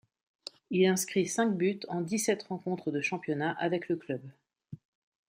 Il inscrit cinq buts en dix-sept rencontres de championnat avec le club.